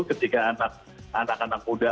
ketika anak anak muda